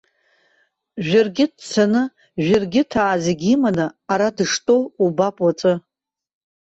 Жәыргьыҭ дцаны, жәыргьыҭаа зегьы иманы ара дыштәоу убап уаҵәы!